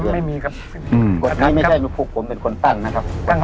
มุมกดนี้ไม่มีครับ